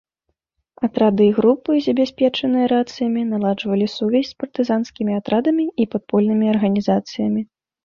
Атрады і групы, забяспечаныя рацыямі, наладжвалі сувязь з партызанскімі атрадамі і падпольнымі арганізацыямі.